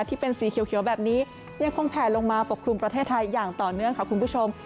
ที่เป็นสีเขียวแบบนี้ยังคงแผลลงมาปกครุมประเทศไทยอย่างต่อเนื่องค่ะคุณผู้ชม